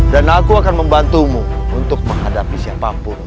dan aku akan membantumu untuk menghadapi siapapun musuhmu